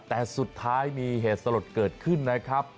แต่สุดท้ายมีเหตุสลดเกิดขึ้นนะครับ